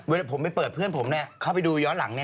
เวลาผมไปเปิดเพื่อนผมเนี่ยเข้าไปดูย้อนหลังเนี่ย